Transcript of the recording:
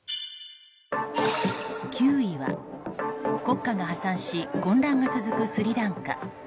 ９位は、国家が破産し混乱が続くスリランカ。